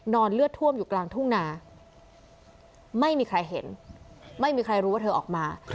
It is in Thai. เลือดท่วมอยู่กลางทุ่งนาไม่มีใครเห็นไม่มีใครรู้ว่าเธอออกมา